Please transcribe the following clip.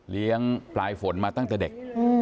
เลี้ยงปลายฝนมาตั้งแต่เด็ก